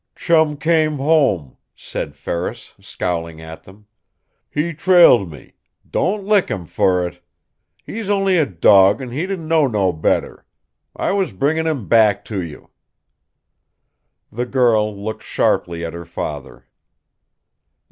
"Chum came home," said Ferris, scowling at them. "He trailed me. Don't lick him fer it! He's only a dog, an' he didn't know no better. I was bringin' him back to you." The girl looked sharply at her father.